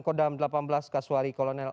kodam delapan belas kaswari kolonel